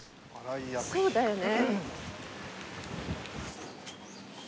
そうだよね。